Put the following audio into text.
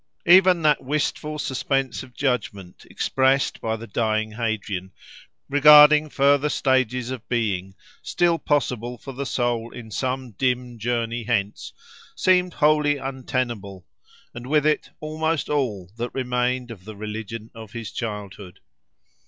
Even that wistful suspense of judgment expressed by the dying Hadrian, regarding further stages of being still possible for the soul in some dim journey hence, seemed wholly untenable, and, with it, almost all that remained of the religion of his childhood.